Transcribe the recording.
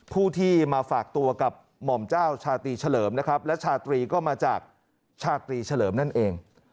ผู้ที่มาฝากตัวกับหม่อมเจ้าชาตรีเฉลิมนะครับและชาตรีก็มาจากชาตรีเฉลิมนั่นเอง